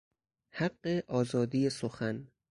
حق آزادی سخن